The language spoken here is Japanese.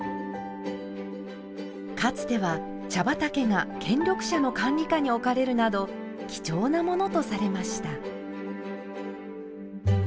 かつては茶畑が権力者の管理下に置かれるなど貴重な物とされました。